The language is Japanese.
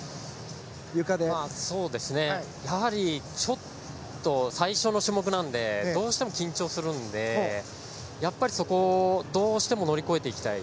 ゆかは最初の種目なのでどうしても緊張するので、そこをどうしても乗り越えていきたい。